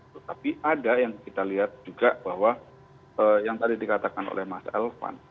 tetapi ada yang kita lihat juga bahwa yang tadi dikatakan oleh mas elvan